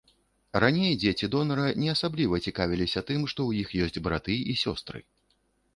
Раней дзеці донара не асабліва цікавіліся тым, што ў іх ёсць браты і сёстры.